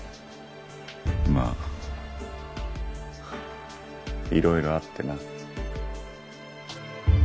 まあいろいろあってな。